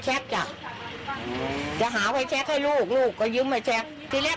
แช็กจักรจะหาไว้แช็กให้ลูกลูกก็ยึมมาแช็กที่แรก